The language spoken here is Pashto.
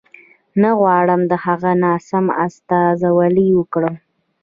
نه غواړم د هغه ناسمه استازولي وکړم.